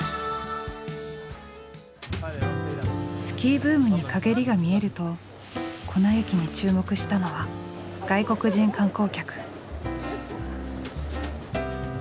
スキーブームに陰りが見えると粉雪に注目したのは外国人観光客。